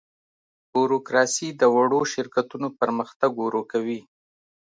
بوروکراسي د وړو شرکتونو پرمختګ ورو کوي.